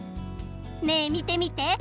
ねえみてみて。